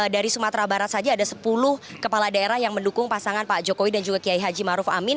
dari sumatera barat saja ada sepuluh kepala daerah yang mendukung pasangan pak jokowi dan juga kiai haji maruf amin